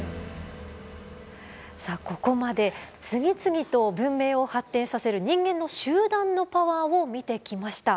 さあここまで次々と文明を発展させる人間の集団のパワーを見てきました。